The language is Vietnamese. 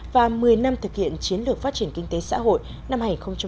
và một mươi năm thực hiện chiến lược phát triển kinh tế xã hội năm hai nghìn một hai nghìn một mươi